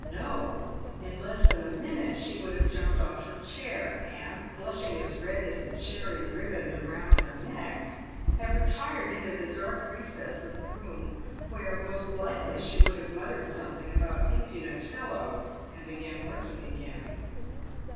No ; in less than a minute she would have jumped off her chair, and, blushing as red as the cherry ribband round her neck, have retired into the dark recess of the room, where most likely she would have muttered something about impudent fellows, and began working again.